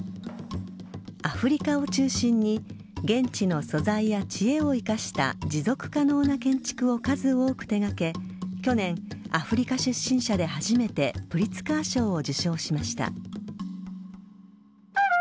アフリカを中心に現地の素材や知恵を生かした持続可能な建築を数多く手掛け去年、アフリカ出身者で初めてプリツカー賞を受賞しました。